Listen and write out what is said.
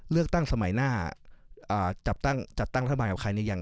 เลือกตั้งสมัยหน้าจัดตั้งรัฐบาลกับใครหรือยัง